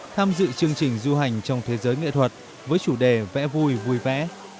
tham dự chương trình du hành trong thế giới nghệ thuật với chủ đề vẽ vui vui vẻ